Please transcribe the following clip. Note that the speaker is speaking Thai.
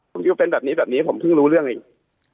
ตรงนี้ก็เป็นแบบนี้แบบนี้ผมเพิ่งรู้เรื่องอีก